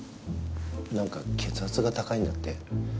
なんか血圧が高いんだって。